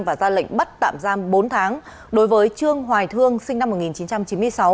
và ra lệnh bắt tạm giam bốn tháng đối với trương hoài thương sinh năm một nghìn chín trăm chín mươi sáu